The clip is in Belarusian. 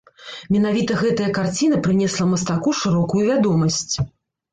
Менавіта гэтая карціна прынесла мастаку шырокую вядомасць.